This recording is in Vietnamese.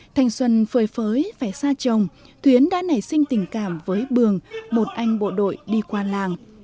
thành xuân phơi phới vẻ xa chồng thuyến đã nảy sinh tình cảm với bường một anh bộ đội đi qua làng